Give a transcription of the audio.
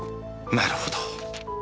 なるほど。